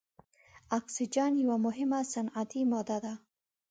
اکسیجن یوه مهمه صنعتي ماده ده.